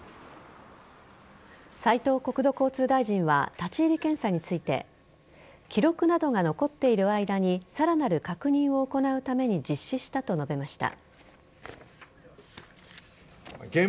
斉藤国土交通大臣は立ち入り検査について記録などが残っている間にさらなる確認を行うために実施したと述べました。